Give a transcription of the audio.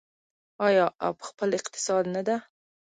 آیا او په خپل اقتصاد نه ده؟